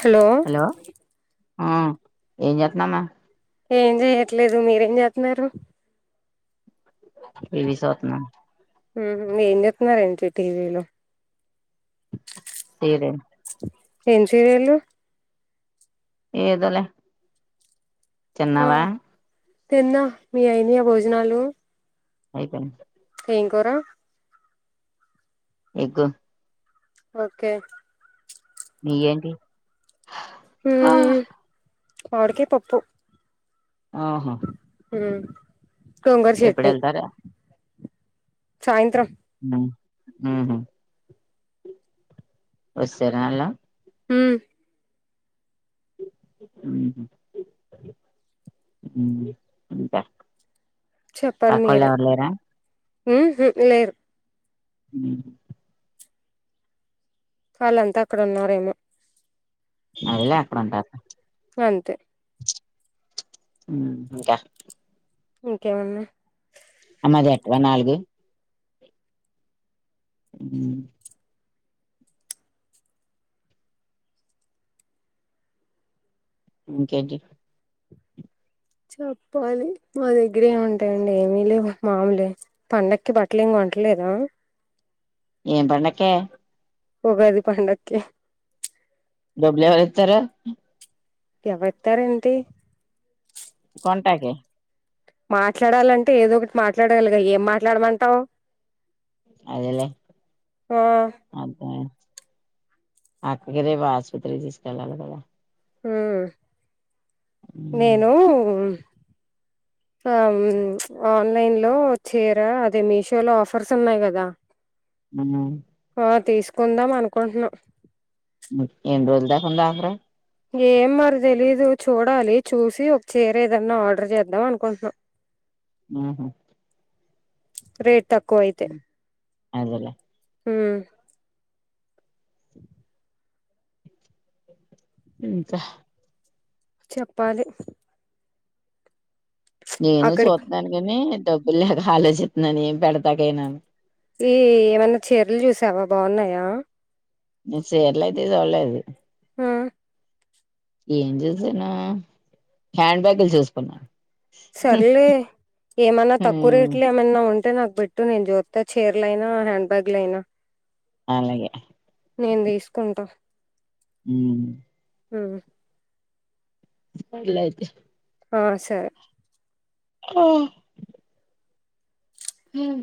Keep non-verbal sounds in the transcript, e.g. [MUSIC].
hello ఆ ఏం జేత్తున్నావ్ ఏం జేయట్లేదు మీరేం జేతన్నారు టీవీ సూతన ఉ ఏం జేత్తున్నారేంటి టీవీలో సీరియల్ ఏం సీరియలు ఏధోలే ఆ తిన్నావా తిన్నా మీ అయినియా భోజనాలు అయిపోయి ఏం కూర ఎగ్ ఓకే మీ ఏంటి ఉమ్ ఆ మామిడికాయ పప్పు ఆహా ఉ గోంగూర ఎప్పుడు చట్నీ వెళ్తారా సాయంత్రం ఆ ఆ [UNINTELLIGIBLE] ఉ ఉంటా అక్కొల్లు ఎవర్ లేరా ఊ హ్మ్మ్ లేరు ఊ వాళ్ళంతా అక్కడ ఉన్నారేమో [UNINTELLIGIBLE] అక్కడ ఉంటారులే తే ఇంకా ఇంకేముంది అమ్మది ఎట్రా నాలుగు ఊ ఇంకేంటి చెప్పాలి మా దగ్గరే ఉంటాయండి ఏమి లేవు మామూలే పండక్కి బట్టలు ఏం కొనట్లేదా ఏం పండుగకి ఏ ఉగాది పండగాకీ డబ్బులు ఎవరు ఇత్తరు ఎవరిత్తరు ఏంటి నాకే మాట్లాడాలంటే ఏదో ఒకటి మాట్లాడలిగా ఏం మాట్లాడమంటావు అదేలే ఆ అదే అక్కకి రేపు హాస్పిటల్ తీసుకెళ్లాలి కదా ఊ నేను ఉమ్ ఆ ఆన్లైన్ లో చీరా అదే మీషోలో ఆఫర్స్ ఉన్నాయి గదా ఊ ఆ తీసుకుందాం అనుకుంటున్నాం ఉ ఏన్ రోజులు దాకా ఉంది అఫర్ ఏం మరి తెలీదు చూడాలి చూసి ఒక చీర ఏదన్నా ఆర్డర్ చేద్దాం అనుకుంటున్నాం ఊహు రెట్ తక్కువ అయితే అదెలే ఉ [UNINTELLIGIBLE] ఇంకా చెప్పాలి నేను అక్కడికి చూతున్నాను గాని డబ్బులు లేక ఆలోచితున్నాను ఏం పెడతాకైనా ఈ ఏమన్నా చీరలు జూసావా బాగున్నాయా నేన్ సీర్లయితే జూలేదు ఆ ఏం జూసానూ హ్యాండ్ బ్యాగలు జూసుకున్నా సర్లే ఏమన్నా తక్కువ హ్మ్ రేట్లు ఏమైన్నా ఉం ఉంటే నాక్ బెట్టు నేన్ జూత్త చీర్లైనా హ్యాండ్ బ్యాగ్లైనా అలాగే నేన్ దీసుకుంటా ఊ ఊమ్ అల అయితే ఆ సరే ఆ ఊమ్